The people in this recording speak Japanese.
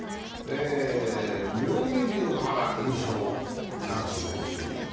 妙義龍がまだ優勝のチャンスが残っております。